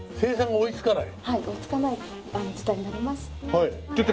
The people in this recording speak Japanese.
追いつかない事態になりまして。